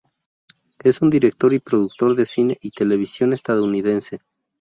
Es un director y productor de cine y televisión estadounidense.